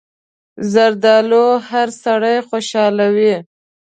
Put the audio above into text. زردالو هر سړی خوشحالوي.